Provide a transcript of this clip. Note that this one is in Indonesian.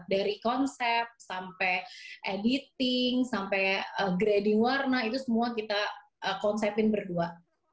dari konsep sampai editing sampai grading warna itu semua kita konsepin berdua